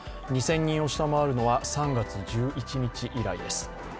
２０００人を下回るのは３月１１日以来です。